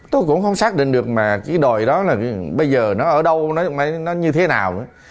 tôi cũng không xác định được mà cái đồi đó là bây giờ nó ở đâu nó như thế nào nữa